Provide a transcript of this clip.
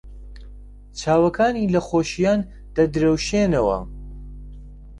چاوەکانی لە خۆشییان دەدرەوشێنەوە.